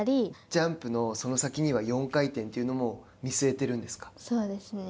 ジャンプのその先には４回転というのもそうですね。